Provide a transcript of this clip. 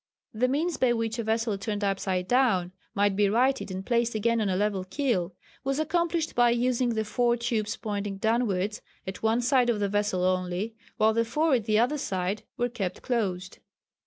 The means by which a vessel turned upside down might be righted and placed again on a level keel, was accomplished by using the four tubes pointing downwards at one side of the vessel only, while the four at the other side were kept closed.